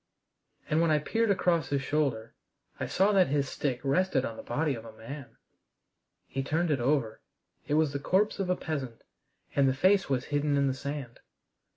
And when I peered across his shoulder I saw that his stick rested on the body of a man. He turned it over. It was the corpse of a peasant, and the face was hidden in the sand.